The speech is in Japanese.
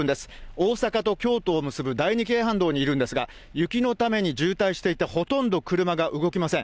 大阪と京都を結ぶ第二京阪道にいるんですが、雪のために渋滞していて、ほとんど車が動きません。